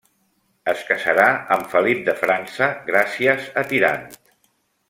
Es casarà amb Felip de França gràcies a Tirant.